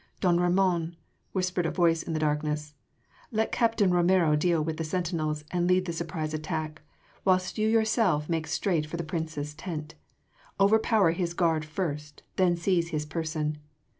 "Don Ramon," whispered a voice in the darkness, "let Captain Romero deal with the sentinels and lead the surprise attack, whilst you yourself make straight for the Prince’s tent; overpower his guard first, then seize his person.